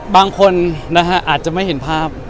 บางคนนะฮะอาจจะไม่เห็นภาพ